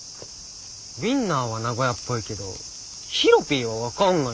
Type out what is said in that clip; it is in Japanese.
ウインナーは名古屋っぽいけどヒロピーは分かんないんだよなあ。